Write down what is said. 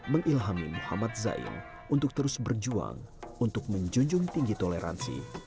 mengilhami muhammad zain untuk terus berjuang untuk menjunjung tinggi toleransi